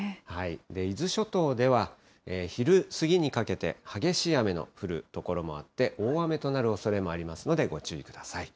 伊豆諸島では、昼過ぎにかけて、激しい雨の降る所もあって、大雨となるおそれもありますので、ご注意ください。